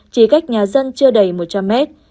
chỉ cách nhà dân chưa đầy một trăm linh mét